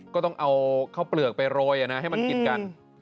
ก็ต้องเอาข้าวเปลือกไปโรยให้มันกินกัน